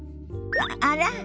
あら？